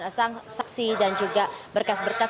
saksi dan juga berkas berkas